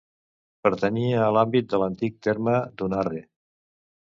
Pertanyia a l'àmbit de l'antic terme d'Unarre.